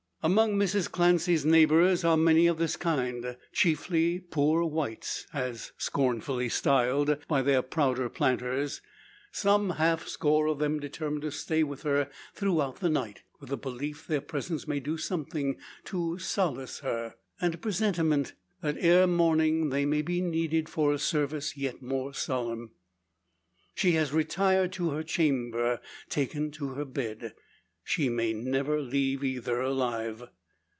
Among Mrs Clancy's neighbours are many of this kind; chiefly "poor whites," as scornfully styled by the prouder planters. Some half score of them determine to stay by her throughout the night; with a belief their presence may do something to solace her, and a presentiment that ere morning they may be needed for a service yet more solemn. She has retired to her chamber taken to her bed; she may never leave either alive.